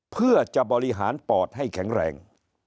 เพื่อจะบริหารปอดให้แข็งแรง